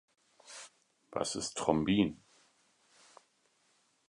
Was ist Thrombin?